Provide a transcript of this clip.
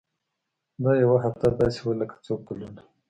دا يوه هفته داسې وه لکه څو کلونه.